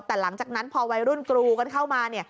แต่หลังจากนั้นพอวัยรุ่นกรูกันเข้ามา